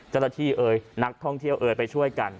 เอ่ยนักท่องเที่ยวเอ่ยไปช่วยกัน